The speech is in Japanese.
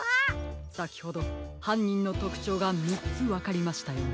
さきほどはんにんのとくちょうが３つわかりましたよね。